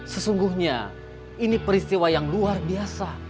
sesungguhnya ini peristiwa yang luar biasa